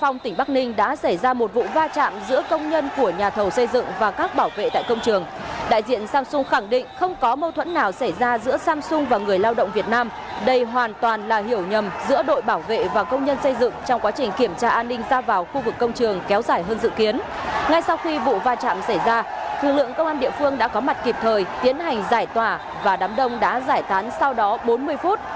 ngay sau khi vụ va chạm xảy ra thương lượng công an địa phương đã có mặt kịp thời tiến hành giải tỏa và đám đông đã giải tán sau đó bốn mươi phút